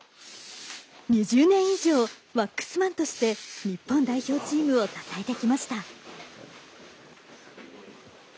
２０年以上、ワックスマンとして日本代表チームを支えてきました。